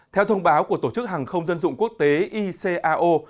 theo thông báo của tổ chức hàng không dân dụng quốc tế icao